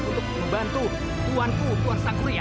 untuk membantu tuan ku tuan sang kuria